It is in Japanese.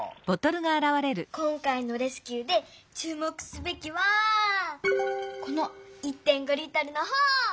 今回のレスキューでちゅう目すべきはこの１．５Ｌのほう！